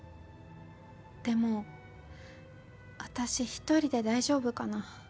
でも私一人で大丈夫かな。